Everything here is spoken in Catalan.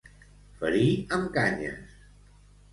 Ferir amb canyes.